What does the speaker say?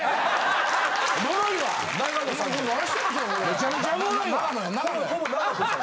めちゃめちゃおもろいわ！